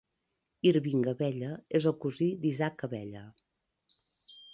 Irving Abella és el cosí d'Isaac Abella.